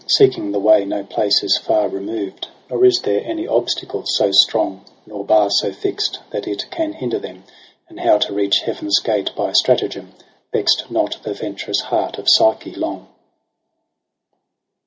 Seeking the way no place is far removed ; Nor is there any obstacle so strong. Nor bar so fix'd that it can hinder them : And how to reach heaven's gate by stratagem Vex'd not the venturous heart of Psyche long.